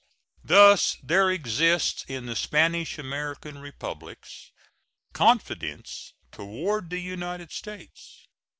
Thus there exists in the Spanish American Republics confidence toward the United States.